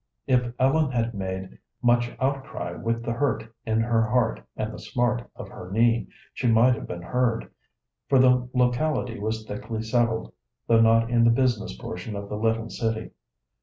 If Ellen had made much outcry with the hurt in her heart and the smart of her knee, she might have been heard, for the locality was thickly settled, though not in the business portion of the little city.